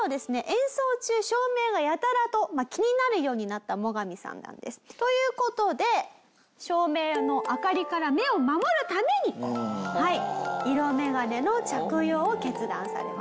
演奏中照明がやたらと気になるようになったモガミさんなんです。という事で照明の明かりから目を守るために色メガネの着用を決断されます。